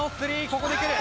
ここでくる！